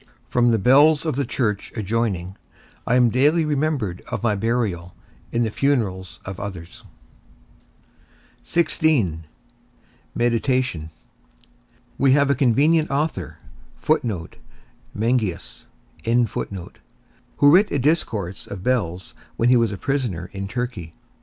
From the bells of the church adjoining, I am daily remembered of my burial in the funerals of others. XVI. MEDITATION. We have a convenient author, who writ a discourse of bells when he was prisoner in Turkey.